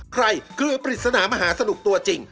เกลือปริศนามหาสนุกตัวจริง